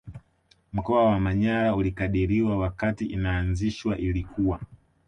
Mkoa wa manyara ulikadiriwa wakati inaazishwa ilikuwa